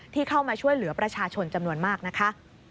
เข้ามาช่วยเหลือประชาชนจำนวนมากนะคะ